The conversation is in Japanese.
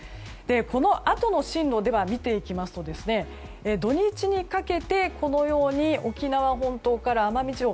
このあとの進路では見ていきますと土日にかけて沖縄本島から奄美地方。